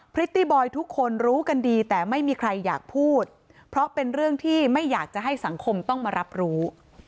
พริตตี้บอยทุกคนรู้กันดีแต่ไม่มีใครอยากพูดเพราะเป็นเรื่องที่ไม่อยากจะให้สังคมต้องมารับรู้